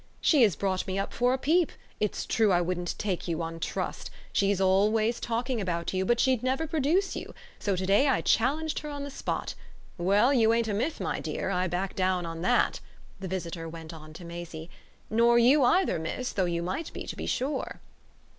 "She has brought me up for a peep it's true I wouldn't take you on trust. She's always talking about you, but she'd never produce you; so to day I challenged her on the spot. Well, you ain't a myth, my dear I back down on that," the visitor went on to Maisie; "nor you either, miss, though you might be, to be sure!"